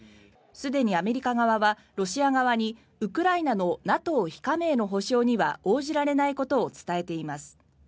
すでにアメリカ側はロシア側にウクライナのＮＡＴＯ非加盟の保証には応じられないことを伝えています。